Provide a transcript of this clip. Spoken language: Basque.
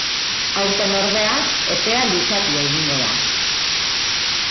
Aurten, ordea, epea luzatu egingo da.